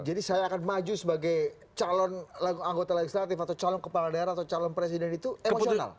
jadi saya akan maju sebagai calon anggota legislatif atau calon kepala daerah atau calon presiden itu emosional